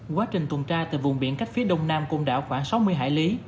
quá trình tuần tra từ vùng biển cách phía đông nam côn đảo khoảng sáu mươi hải lý